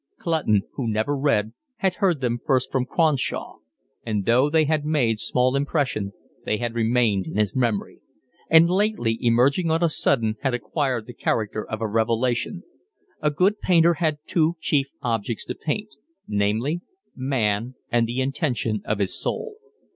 Clutton, who never read, had heard them first from Cronshaw; and though they had made small impression, they had remained in his memory; and lately, emerging on a sudden, had acquired the character of a revelation: a good painter had two chief objects to paint, namely, man and the intention of his soul.